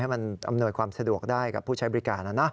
มันอำนวยความสะดวกได้กับผู้ใช้บริการนะนะ